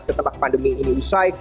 setelah pandemi ini selesai